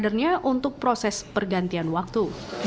kadernya untuk proses pergantian waktu